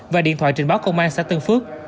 và điện thoại trình báo công an xã tân phước